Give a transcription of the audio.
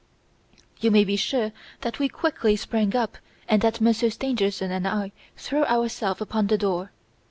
"'You may be sure that we quickly sprang up and that Monsieur Stangerson and I threw ourselves upon the door.